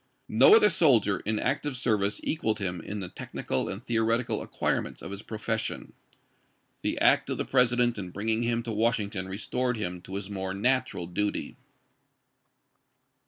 No other soldier in active service equaled him in the technical and theoretical acquirements of his profession. The act of the President in bringing him to Washington restored him to his more natural duty.